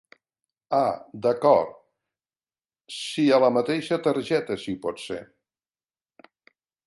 Ah d'acord, si a la mateixa targeta si pot ser.